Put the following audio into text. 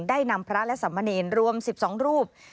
ได้นำพระและสามเณรรวม๑๒รูป